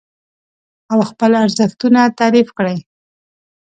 او خپل ارزښتونه تعريف کړئ.